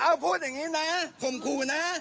เอ้าพูดอย่างนี้นะคุณผู้นะ